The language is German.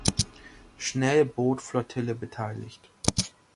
Schnellbootflottille beteiligt.